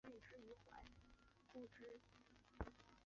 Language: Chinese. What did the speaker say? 但没有很严谨